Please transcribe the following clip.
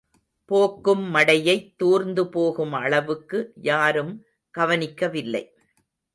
போக்கும் மடையைத் தூர்ந்துபோகும் அளவுக்கு யாரும் கவனிக்கவில்லை.